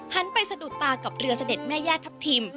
ไปสะดุดตากับเรือเสด็จแม่ย่าทัพทิม